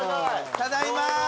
ただいま。